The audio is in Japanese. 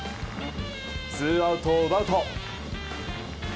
ツーアウトを奪うと。